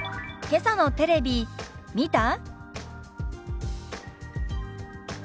「けさのテレビ見た？」。